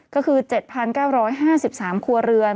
ก็คือ๗๙๕๓ครัวเรือน